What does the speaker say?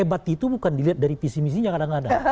hebat itu bukan dilihat dari pc pc nya kadang kadang